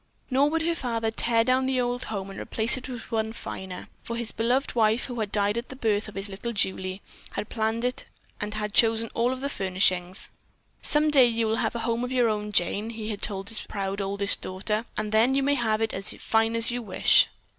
Nor would her father tear down the old home to replace it with one finer, for his beloved wife, who had died at the birth of little Julie, had planned it and had chosen all of the furnishings. "Some day you will have a home of your own, Jane," he had told his proud older daughter, "and then you may have it as fine as you wish."